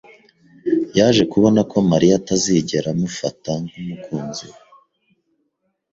yaje kubona ko Mariya atazigera amufata nk'umukunzi we.